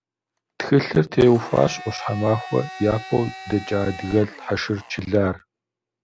Тхылъыр теухуащ Ӏуащхьэмахуэ япэу дэкӀа адыгэлӀ Хьэшыр Чылар.